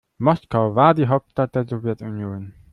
Moskau war die Hauptstadt der Sowjetunion.